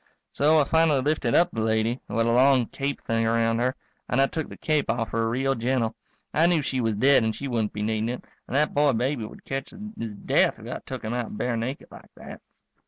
So I finally lifted up the lady, who had a long cape thing around her, and I took the cape off her real gentle. I knew she was dead and she wouldn't be needin' it, and that boy baby would catch his death if I took him out bare naked like that.